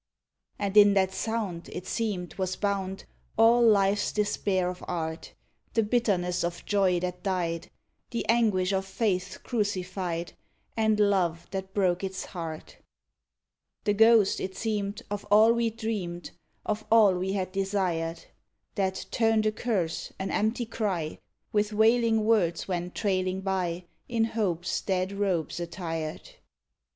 And in that sound, it seemed, was bound All life's despair of art; The bitterness of joy that died; The anguish of faith's crucified; And love that broke its heart. The ghost it seemed of all we'd dreamed, Of all we had desired; That turned a curse, an empty cry With wailing words went trailing by In hope's dead robes attired.